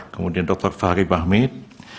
kemudian dr fahri bahmid